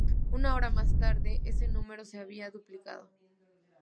Una hora más tarde, ese número se había duplicado.